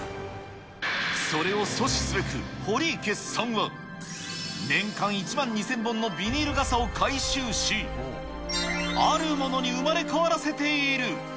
それを阻止すべく、堀池さんは、年間１万２０００本のビニール傘を回収し、あるものに生まれ変わらせている。